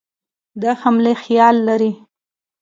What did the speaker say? د حملې خیال لري.